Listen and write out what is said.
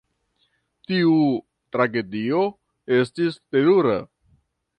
Tiu tragedio estis terura.